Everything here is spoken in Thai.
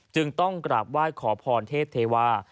จึงต้องกราบไหว้ขอพรเทพเทวา